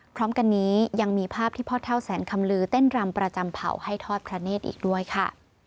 พร้อมกันนี้ยังมีภาพที่พ่อเท่าแสนคำลือเต้นรำประจำเผาให้ทอดพระเนธอีกด้วยค่ะ